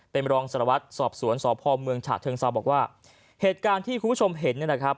เป็นรองสารวัตรสอบสวนสพเมืองฉะเชิงเซาบอกว่าเหตุการณ์ที่คุณผู้ชมเห็นเนี่ยนะครับ